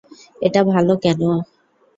এটা ভালো কেন?